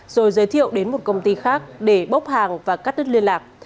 rồi giới thiệu đến một công ty khác để bốc hàng và cắt đứt liên lạc